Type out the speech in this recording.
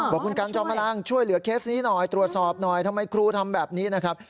บอกคุณกันจอมพลังช่วยเหลือเคสนี้หน่อยตรวจสอบหน่อยทำไมครูทำแบบนี้นะครับ